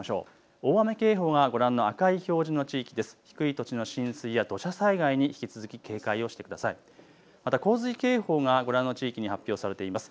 大雨警報がご覧の赤い表示の地域です。